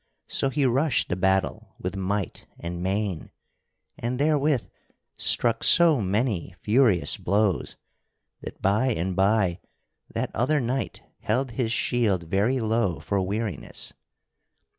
So he rushed the battle with might and main, and therewith struck so many furious blows that by and by that other knight held his shield very low for weariness.